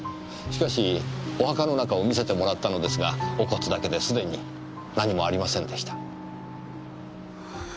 しかしお墓の中を見せてもらったのですがお骨だけですでに何もありませんでした。